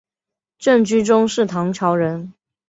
郑居中是唐朝人。